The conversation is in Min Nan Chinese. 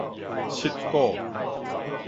七股